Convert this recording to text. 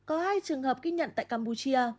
có hai trường hợp ghi nhận tại campuchia